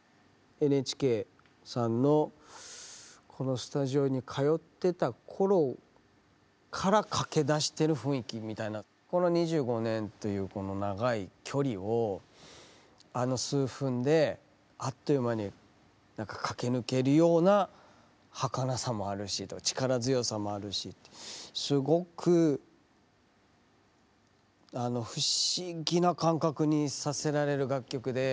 ＮＨＫさんのこのスタジオに通ってた頃から駆けだしてる雰囲気みたいなこの２５年というこの長い距離をあの数分であっと言う間に駆け抜けるような儚さもあるし力強さもあるしすごく不思議な感覚にさせられる楽曲で。